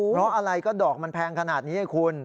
เพราะอะไรก็ดอกมันแพงขนาดนี้ไงคุณ